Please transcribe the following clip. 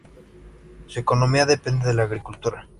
Su economía depende de la agricultura.